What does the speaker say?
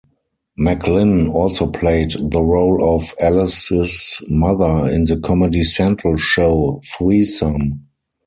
McLynn also played the role of Alice's mother in the Comedy Central show "Threesome".